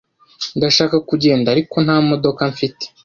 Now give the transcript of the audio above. Ndashaka kugenda, ariko nta modoka mfite.